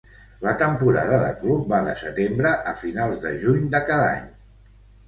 La temporada de Club va de setembre a finals de juny de cada any.